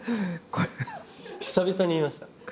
久々に言いました。